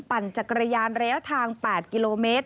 ปั่นจักรยานระยะทาง๘กิโลเมตร